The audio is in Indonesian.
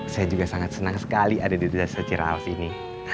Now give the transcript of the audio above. saya juga sangat senang sekali ada di desa ciraals ini